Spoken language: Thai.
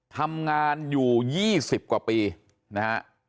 ทำงานอยู่๒๐กว่าปีนะฮะ